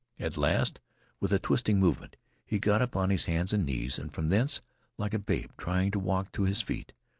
At last, with a twisting movement, he got upon his hands and knees, and from thence, like a babe trying to walk, to his feet.